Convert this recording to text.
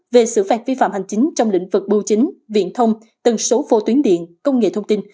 về xử phạt vi phạm hành chính trong lĩnh vực bưu chính viện thông tần số vô tuyến điện công nghệ thông tin